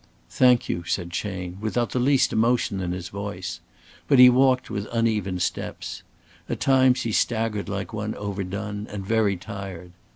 "Thank you," said Chayne, without the least emotion in his voice. But he walked with uneven steps. At times he staggered like one overdone and very tired.